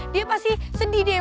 dia pasti sedih deh